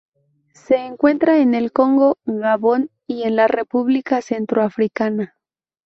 Se encuentra en el Congo, Gabón y en la República Centroafricana.